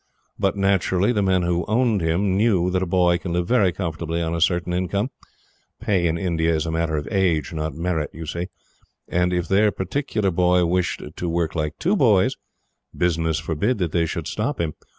But, naturally, the men who owned him knew that a boy can live very comfortably on a certain income pay in India is a matter of age, not merit, you see, and if their particular boy wished to work like two boys, Business forbid that they should stop him!